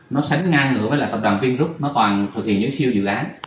nó sánh ngang với tập đoàn vingroup nó toàn thực hiện những siêu dự án